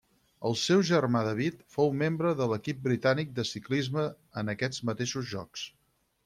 El seu germà David fou membre de l'equip britànic de ciclisme en aquests mateixos Jocs.